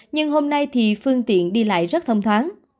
nhưng hôm nay thì phương tiện đi lại rất thông thoáng